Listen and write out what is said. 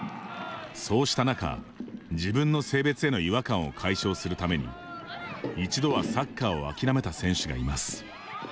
そうした中、自分の性別への違和感を解消するために一度はサッカーを諦めた選手がいます。